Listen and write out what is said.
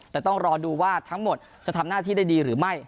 แต่ต้องรอดูว่าทั้งหมดจะทำหน้าที่ได้ดีหรือไม่